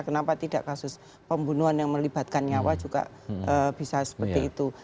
kenapa tidak kasus pembunuhan yang melibatkan nyawa juga bisa seperti itu